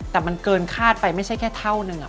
แต่มันเกินคาดไปไม่ใช่แค่เท่านึง